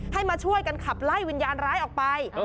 มาช่วยกันขับไล่วิญญาณร้ายออกไป